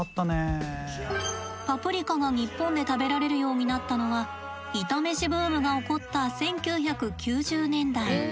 パプリカが日本で食べられるようになったのはイタ飯ブームが起こった１９９０年代。